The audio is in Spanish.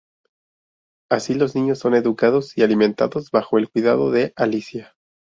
Así los niños son educados y alimentados bajo el cuidado de Alicia.